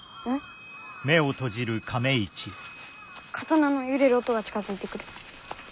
刀の揺れる音が近づいてくる。